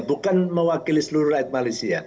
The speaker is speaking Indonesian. bukan mewakili seluruh rakyat malaysia